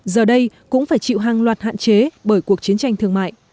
giờ đây cũng phải chịu hàng loạt hạn chế bởi cuộc chiến tranh thương mại